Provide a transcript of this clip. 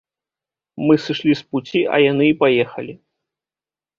Мы сышлі з пуці, а яны і паехалі.